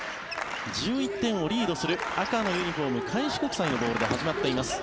１１点をリードする赤のユニホーム開志国際のボールで始まっています。